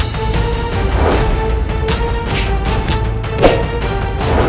kau tidak bisa